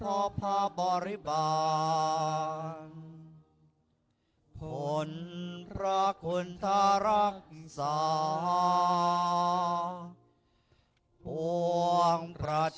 และผู้มีเกียรติที่กรบท่านได้ลุกขึ้นยืนโดยพร้อมเพียงกันครับ